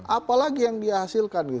apalagi yang dihasilkan gitu